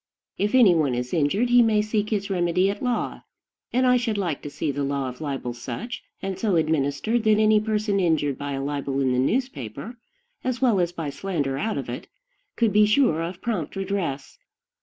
If any one is injured, he may seek his remedy at law; and I should like to see the law of libel such and so administered that any person injured by a libel in the newspaper, as well as by slander out of it, could be sure of prompt redress.